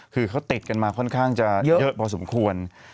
คือเขาติดกันมาค่อนข้างจะเยอะพอสมควร